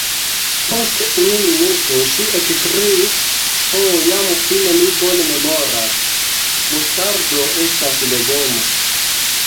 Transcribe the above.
Post unu minuto ŝi ekkriis: "Ho jam fine mi bone memoras: Mustardo estas legomo. »